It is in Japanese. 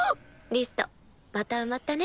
リストまた埋まったね。